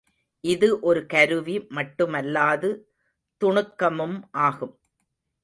இது ஒரு கருவி மட்டுமல்லாது துணுக்கமும் ஆகும்.